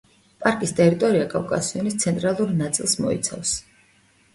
პარკის ტერიტორია კავკასიონის ცენტრალურ ნაწილს მოიცავს.